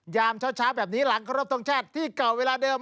ยามเช้าแบบนี้หลังครบทรงชาติที่เก่าเวลาเดิม